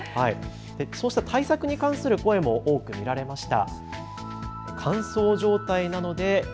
そうした対策に関する声も多く見られました。